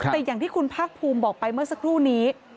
แต่อย่างที่คุณภาคภูมิบอกไปเมื่อสักครู่นี้